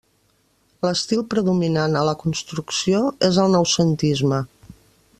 L'estil predominant a la construcció és el Noucentisme.